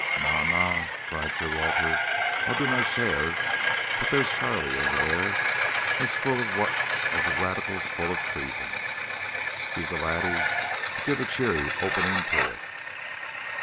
"Na, na!" cried Sir Walter; "I'll do my share, but there's Chairlie over there as full o' wut as a Radical's full o' treason. He's the laddie to give a cheery opening to it."